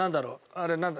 あれなんだ？